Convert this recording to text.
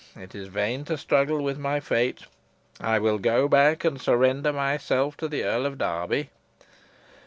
It is vain to struggle with my fate. I will go back and surrender myself to the Earl of Derby."